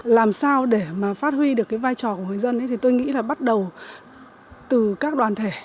làm sao để mà phát huy được cái vai trò của người dân thì tôi nghĩ là bắt đầu từ các đoàn thể